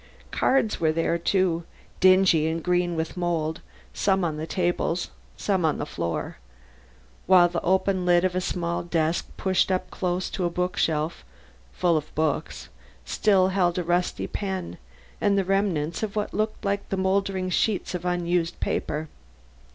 Cards were there too, dingy and green with mould some on the tables some on the floor; while the open lid of a small desk pushed up close to a book case full of books, still held a rusty pen and the remnants of what looked like the mouldering sheets of unused paper.